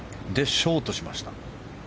ショートしました。